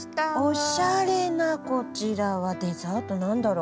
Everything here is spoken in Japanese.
おしゃれなこちらはデザート何だろう？